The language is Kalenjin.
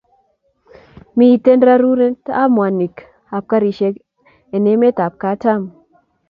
Miten raruen ab mwanik ab garishek en emet ab katam